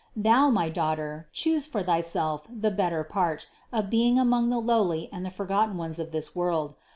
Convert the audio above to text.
Thou, my daughter, choose for thyself the better part of being among the lowly and the forgotten ones of this world.